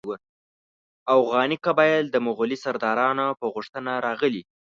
اوغاني قبایل د مغولي سردارانو په غوښتنه راغلي.